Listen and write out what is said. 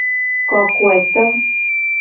Kokoeto.